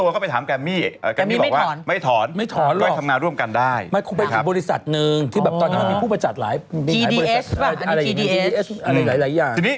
ก็จะทำงานร่วมกันได้